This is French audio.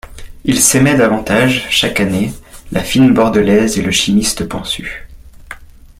Ils s'aimaient davantage, chaque année, la fine Bordelaise et le chimiste pansu.